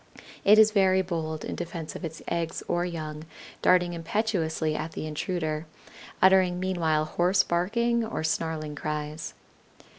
It is very bold in defense of its eggs or young, darting impetuously at the intruder, uttering meanwhile hoarse barking or snarling cries.